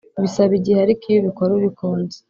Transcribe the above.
Bisaba igihe ariko iyo ubikora ubikunze